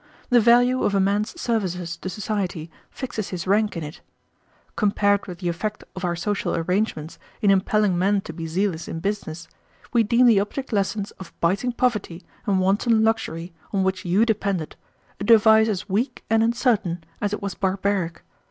The value of a man's services to society fixes his rank in it. Compared with the effect of our social arrangements in impelling men to be zealous in business, we deem the object lessons of biting poverty and wanton luxury on which you depended a device as weak and uncertain as it was barbaric.